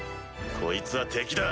こいつは敵だ。